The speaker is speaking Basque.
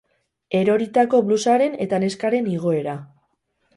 Eroritako blusaren eta neskaren igoera.